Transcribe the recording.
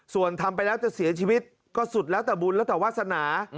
ส่วนทำไปแล้วจะเสียชีวิตก็สุดแล้วแต่บุญแล้วแต่วาสนา